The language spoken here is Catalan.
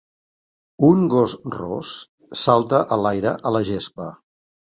Un gos ros salta a l'aire a la gespa.